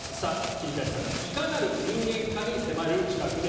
桐谷さんがいかなる人間かに迫る企画でございます。